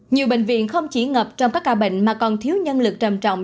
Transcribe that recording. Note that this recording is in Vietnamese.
nhiều bệnh viện không chỉ ngập trong các ca bệnh mà còn thiếu nhân lực trầm trọng